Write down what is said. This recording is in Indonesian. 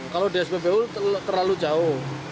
kalau di spbu terlalu jauh